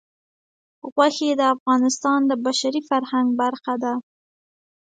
غوښې د افغانستان د بشري فرهنګ برخه ده.